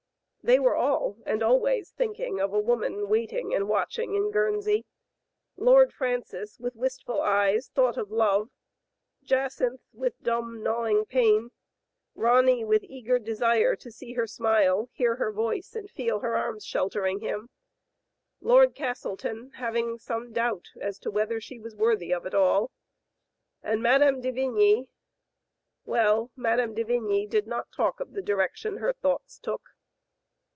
They were all and always thinking of a woman waiting and watching in Guernsey. Lord Francis, with wistful eyes, thought of love, Jacynth with dumb, gnawing pain, Ronny with eager desire to see her smile, hear her voice, and feel her arms sheltering him, Lord Castleton having some doubt as to whether she was worthy of it all, and Mme. de Vigny Well, Mme. de Vigny did not talk of the direc tion her thoughts took.